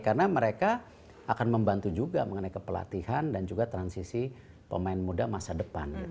karena mereka akan membantu juga mengenai kepelatihan dan juga transisi pemain muda masa depan